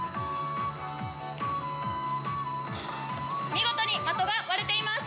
見事に的が割れています。